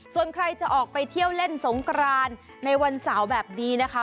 ส่วนใครจะออกไปเที่ยวเล่นสงกรานในวันเสาร์แบบนี้นะคะ